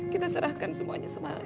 kita serahkan semuanya sama